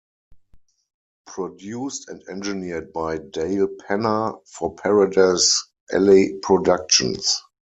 Produced and engineered by Dale Penner for Paradise Alley Productions.